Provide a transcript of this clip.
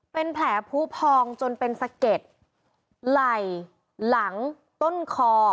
เป็นแผลผู้พองจนเป็นสะเก็ดไหล่หลังต้นคอ